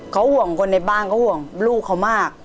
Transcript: เขาห่วงคนในบ้านเขาห่วงลูกเขามาก